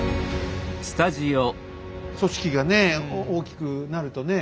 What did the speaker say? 組織がね大きくなるとね